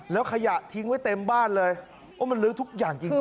แล้วขยะทิ้งไว้เต็มบ้านเลยว่ามันลื้อทุกอย่างจริง